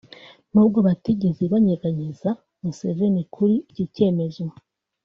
n’ubwo batigeze banyeganyeza Museveni kuri iki cyemezo